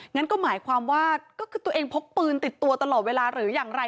งั้นก็หมายความว่าก็คือตัวเองพกปืนติดตัวตลอดเวลาหรืออย่างไร